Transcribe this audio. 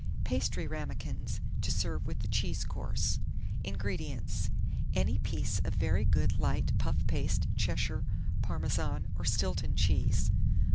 PASTRY RAMAKINS, to serve with the CHEESE COURSE. 1650. INGREDIENTS. Any pieces of very good light puff paste Cheshire, Parmesan, or Stilton cheese.